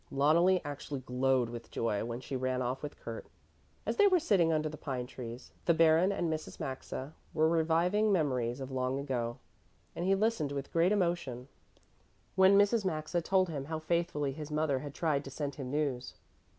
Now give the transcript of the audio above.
Loneli actually glowed with joy when she ran off with Kurt. As they were sitting under the pine tree, the Baron and Mrs. Maxa were reviving memories of long ago, and he listened with great emotion when Mrs. Maxa told him how faithfully his mother had tried to send him news.